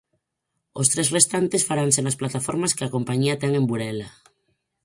Os tres restantes faranse nas plataformas que a compañía ten en Burela.